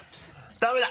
ダメだ。